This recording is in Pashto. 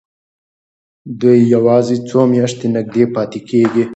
دوی یوازې څو میاشتې نږدې پاتې کېږي.